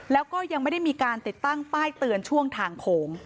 แล้วก็ยังไม่ได้มีการติดตั้งป้ายเตือนช่วงทางโขง